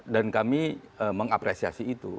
dan kami mengapresiasi itu